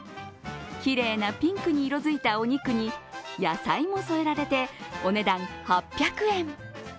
きれいなピンク色に色づいたお肉に野菜も添えられて、お値段８００円。